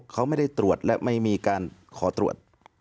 เขาไม่ได้ตรวจและไม่มีการขอตรวจ